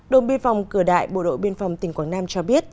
đồng biên phòng cửa đại bộ đội biên phòng tp hcm cho biết